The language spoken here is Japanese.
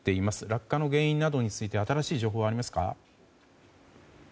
落下の原因などについて新しい情報はありますか？